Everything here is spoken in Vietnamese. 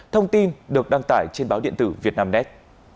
thông tin được đăng tải trên báo điện tử vietnamnet